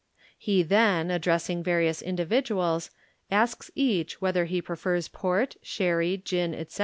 He then, addressing various individuals, asks each whether he prefers port, sherry, gin, etc.